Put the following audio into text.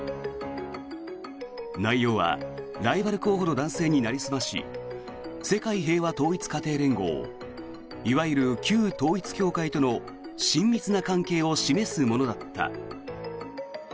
内容はライバル候補の男性になりすまし世界平和統一家庭連合いわゆる旧統一教会との親密な関係を示すものだった。